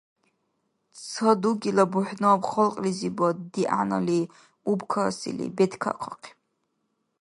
Ца дугила бухӏнаб, халкьлизибад дигӏянали убкасили, беткахъахъиб.